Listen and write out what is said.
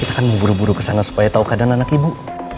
kita akan mau buru buru ke sana supaya tahu keadaan anak ibu